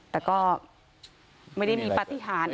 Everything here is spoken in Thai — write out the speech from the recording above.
แต่ก็ไม่ได้มีปฏิหาร